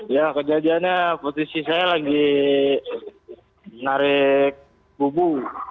ya kejadiannya posisi saya lagi narik bubu